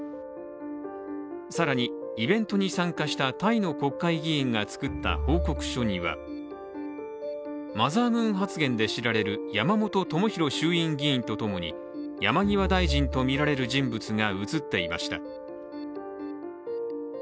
更にイベントに参加したタイの国会議員が作った報告書にはマザームーン発言で知られる山本朋広衆議院議員とともに、山際大臣とみられる人物が写っていました。